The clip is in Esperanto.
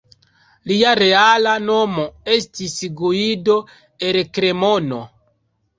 Lia reala nomo estis Guido el Kremono.